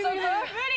無理。